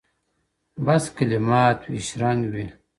• بس کلمات وي، شرنګ وي -